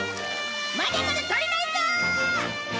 まだまだ足りないぞ！